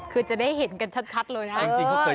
คือจะได้เห็นกันชัดเลยนะ